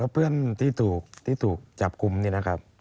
เพื่อนที่ถูกจับกลุ่มนี่นะครับ